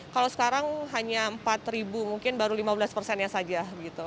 kalau sekarang hanya empat ribu mungkin baru lima belas persennya saja